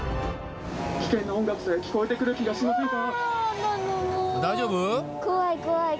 危険な音楽さえ聞こえてくる気がしませんか？